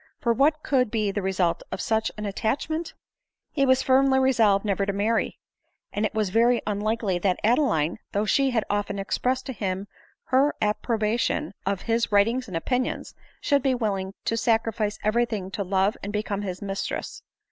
For what could be the result of such an attachment ? He was firmly resolved never to marry ; and it was very unlikely that Adeline, though she had often expressed to him her approbation of his writings and opinions, should be willing to sacrifice every thing to love, and become his mistress.